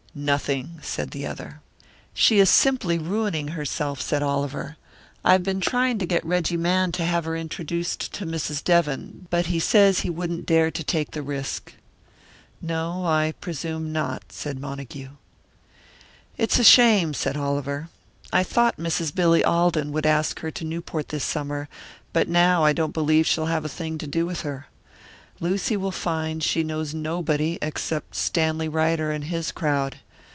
"Nothing," said the other. "She is simply ruining herself," said Oliver. "I've been trying to get Reggie Mann to have her introduced to Mrs. Devon, but he says he wouldn't dare to take the risk." "No, I presume not," said Montague. "It's a shame," said Oliver. "I thought Mrs. Billy Alden would ask her to Newport this summer, but now I don't believe she'll have a thing to do with her. Lucy will find she knows nobody except Stanley Ryder and his crowd.